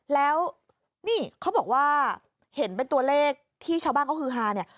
แล้วนี่เขาบอกว่าเห็นเป็นตัวเลขที่ชาวบ้านเขาฮือฮาเนี่ย